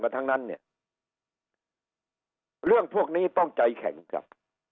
ทั้งนั้นเนี่ยเรื่องพวกนี้ต้องใจแข็งครับ